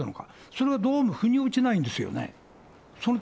それはどうもふに落ちないんですよね。